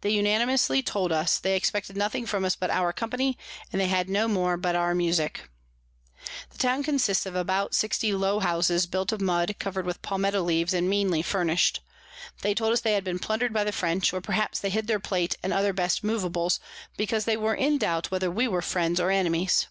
They unanimously told us, they expected nothing from us but our Company, and they had no more but our Musick. The Town consists of about sixty low Houses built of Mud, cover'd with Palmetto Leaves, and meanly furnish'd. They told us they had been plunder'd by the French, or perhaps they hid their Plate and other best Movables, because they were in doubt whether we were Friends or Enemies.